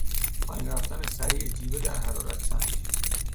پایین رفتن سریع جیوه در حرارت سنج